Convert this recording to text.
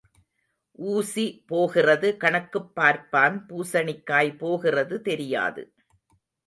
ஊசி போகிறது கணக்குப் பார்ப்பான் பூசணிக்காய் போகிறது தெரியாது.